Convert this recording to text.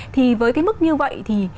thì với cái mức như vậy thì